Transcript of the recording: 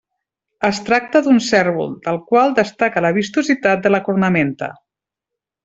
Es tracta d'un cérvol, del qual destaca la vistositat de la cornamenta.